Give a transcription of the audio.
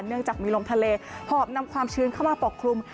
เนื่องจากมีลมทะเลหอบนำความชื้นเข้ามาปกคลุม